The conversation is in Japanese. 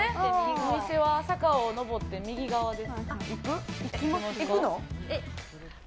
お店は坂を登って右側です。